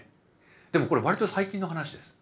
でもこれ割と最近の話です。